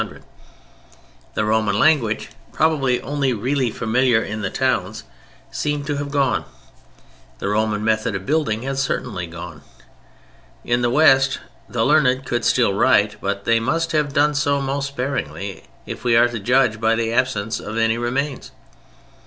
The Roman language, probably only really familiar in the towns, seems to have gone; the Roman method of building had certainly gone. In the West the learned could still write, but they must have done so most sparingly, if we are to judge by the absence of any remains.